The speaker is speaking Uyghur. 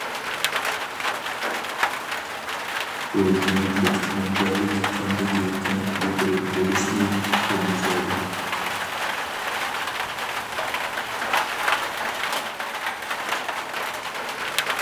بۇ يېمەكلىك مەنبەلىك قاندىكى قەنت يۇقىرى بولۇشنى تورمۇزلايدۇ.